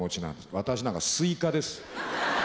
私なんかスイカです。